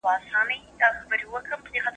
خوشحاله ټولنه تر خفه ټولني زيات توليد لري.